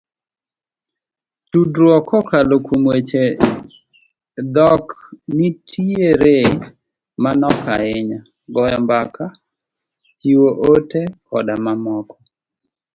Tudruok kokalo kuom weche dhok nitiere manok ahinya, goyo mbaka, chiwo ote koda mamoko.